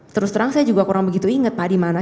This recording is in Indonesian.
terus terang saya juga kurang begitu ingat pak di mana